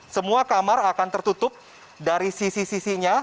semua kamar akan tertutup dari sisi sisinya